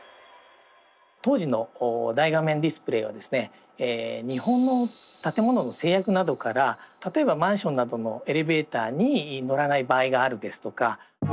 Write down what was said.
当時の大画面ディスプレーはですね日本の建物の制約などから例えばマンションなどのエレベーターに乗らない場合があるですとか。